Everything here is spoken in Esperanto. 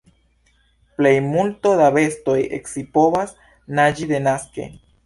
Plejmulto da bestoj scipovas naĝi denaske.